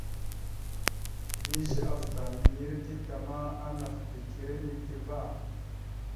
Mige afta minire dik da ma, anaf dik ire milite ava.